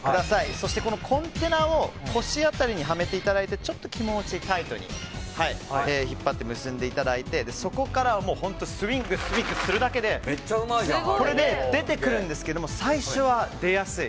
そして、コンテナを腰辺りにはめていただいてちょっと気持ちタイトに引っ張って結んでいただいてそこからはもうスイング・スイングするだけでこれで出てくるんですけど最初は出やすい。